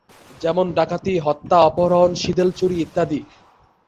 যেমন ডাকাতি, হত্যা, অপহরণ, সিঁদেল চুরি ইত্যাদি।